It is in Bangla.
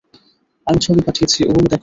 আমি ছবি পাঠিয়েছি, ওগুলো দেখো।